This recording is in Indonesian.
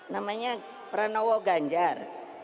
namanya pranowo ganjar